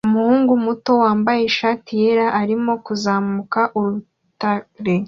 Umuhungu muto wambaye ishati yera arimo kuzamuka urutare